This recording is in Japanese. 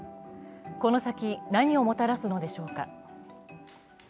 この先、何をもたらすのでしょうか。